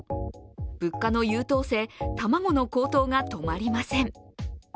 物価の優等生、卵の高騰が止まりません。